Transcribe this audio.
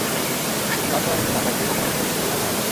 সব সময় নিচে না তাকিয়ে, কখনো উপরের দিকেও তাকা?